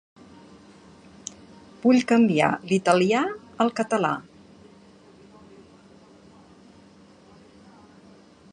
Vull canviar l'italià a català.